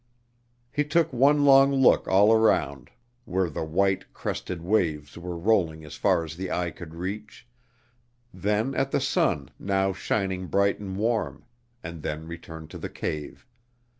He took one long look all around, where the white, crested waves were rolling as far as the eye could reach; then at the sun now shining bright and warm, and then returned to the cave.